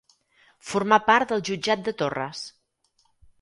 Formà part del Jutjat de Torres.